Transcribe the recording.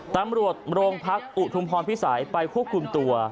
ตำรวจโรงพักอุทุมพรพิสัยไปควบคุมตัว